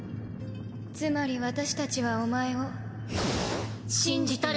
つまり私たちはお前を信じている。